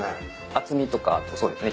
厚みとかあとそうですね。